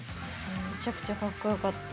めちゃくちゃかっこよかった。